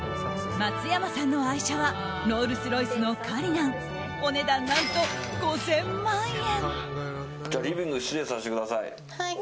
松山さんの愛車はロールスロイスのカリナンお値段何と、５０００万円。